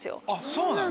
そうなん？